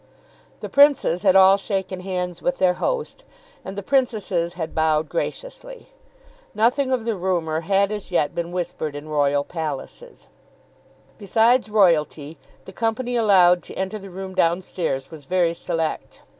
The Princes had all shaken hands with their host, and the Princesses had bowed graciously. Nothing of the rumour had as yet been whispered in royal palaces. Besides royalty the company allowed to enter the room downstairs was very select.